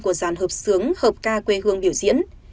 của dàn hợp sướng hợp ca quê hương biểu diễn